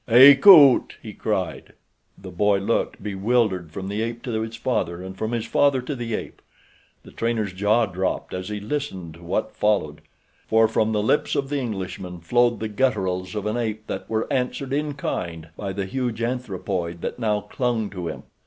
"Akut!" he cried. The boy looked, bewildered, from the ape to his father, and from his father to the ape. The trainer's jaw dropped as he listened to what followed, for from the lips of the Englishman flowed the gutturals of an ape that were answered in kind by the huge anthropoid that now clung to him.